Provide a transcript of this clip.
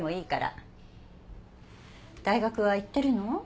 大学は行ってるの？